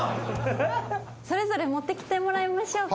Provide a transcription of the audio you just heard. それぞれ持ってきてもらいましょうか。